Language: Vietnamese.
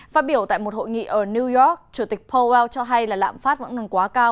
phát biểu tại một hội nghị ở new york chủ tịch powell cho hay là lạm phát vẫn còn quá cao